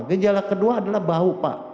gejala kedua adalah bahu pak